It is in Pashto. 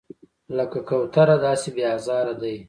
لکه کوتره داسې بې آزاره دی.